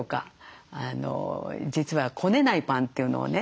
実はこねないパンというのをね